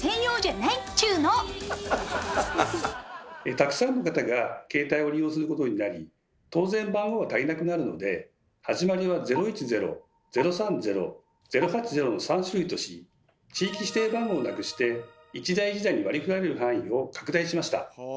たくさんの方が携帯を利用することになり当然番号は足りなくなるので始まりは「０１０」「０３０」「０８０」の３種類とし地域指定番号をなくして一台一台に割り振られる範囲を拡大しました。